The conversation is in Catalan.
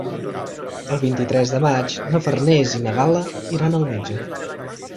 El vint-i-tres de maig na Farners i na Gal·la iran al metge.